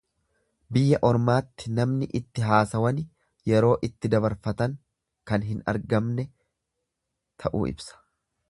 Biyya ormaatti namni itti haasawaani yeroo itti dabarfatan kan hin argamne ta'uu ibsa.